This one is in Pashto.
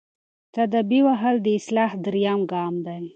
تاديبي وهل د اصلاح دریم ګام دی.